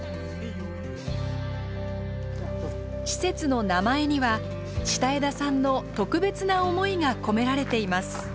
施設の名前には下枝さんの特別な思いが込められています。